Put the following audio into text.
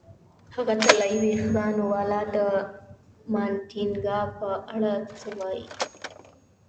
هغه طلايي وېښتانو والا، د مانتیګنا په اړه څه وایې؟